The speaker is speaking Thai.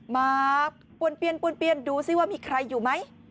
มาปวดเปลี่ยนดูสิว่ามีใครอยู่ไหม